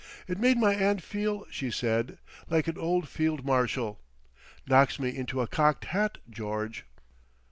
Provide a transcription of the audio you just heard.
It made my aunt feel, she said, "like an old Field Marshal—knocks me into a cocked hat, George!"